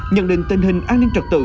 nhận định tình hình an ninh trật tự